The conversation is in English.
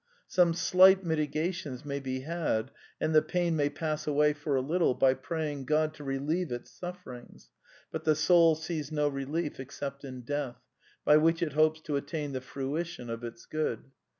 " Some slight mitigations may be had, and the pain may pass away for a little by praying God to relieve its sufferings: but the soul sees no relief except in death, by which it hopes to attain the fruition of its good.